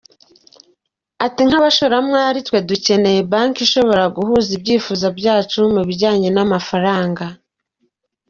Ati “Nk’abashoramari, twe dukenera banki ishobora guhaza ibyifuzo byacu mu bijyanye n’amafaranga.